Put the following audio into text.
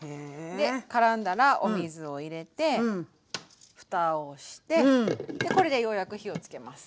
でからんだらお水を入れてふたをしてこれでようやく火をつけます。